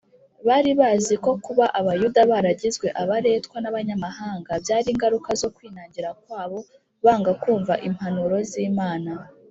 . Bari bazi ko kuba Abayuda baragizwe abaretwa n’abanyamahanga byari ingaruka zo kwinangira kwabo banga kumva impanuro z’Imana